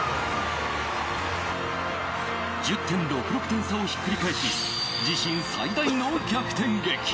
１０．６６点差をひっくり返し自身最大の逆転劇。